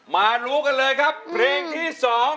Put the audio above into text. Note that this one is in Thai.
มารู้กันเลยครับเพลงที่๒